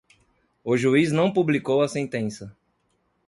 O juiz não publicou a sentença